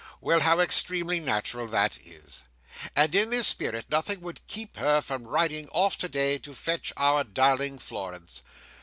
Well, how extremely natural that is! And in this spirit, nothing would keep her from riding off today to fetch our darling Florence.